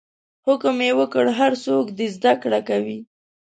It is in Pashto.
حکم یې وکړ هر څوک دې زده کړه کوي.